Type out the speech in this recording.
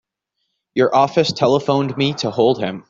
Your office telephoned me to hold him.